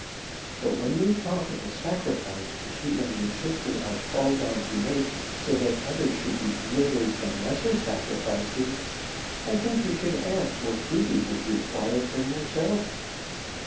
But when you talk of the sacrifice which he and your sister are called on to make, so that others should be delivered from lesser sacrifices, I think you should ask what duty would require from yourself.